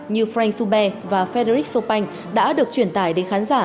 như frank soubert và frédéric chopin đã được chuyển tài đến khán giả